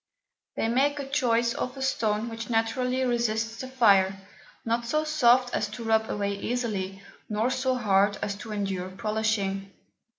They make choice of a Stone which naturally resists the Fire, not so soft as to rub away easily, nor so hard as to endure polishing.